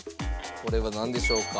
これはなんでしょうか？